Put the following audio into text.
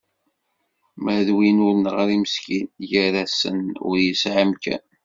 Ma d win ur neɣri meskin, gar-asen ur yesɛi amkan.